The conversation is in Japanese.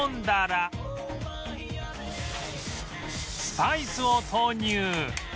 スパイスを投入